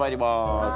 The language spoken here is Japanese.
はい。